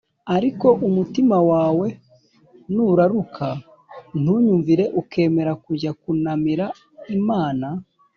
ariko umutima wawe nuraruka, ntunyumvire, ukemera kujya kunamira imana